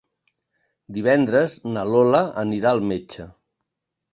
Divendres na Lola anirà al metge.